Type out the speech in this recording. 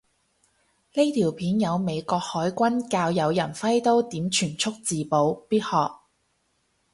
呢條片有美國海軍教有人揮刀點全速自保，必學